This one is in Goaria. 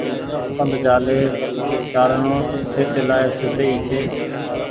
پند چآلڻو سهتي لآئي سئي ڇي۔